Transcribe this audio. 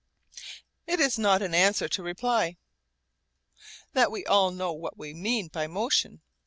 It is not an answer to reply, that we all know what we mean by motion.